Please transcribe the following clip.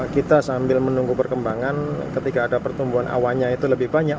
kita sambil menunggu perkembangan ketika ada pertumbuhan awannya itu lebih banyak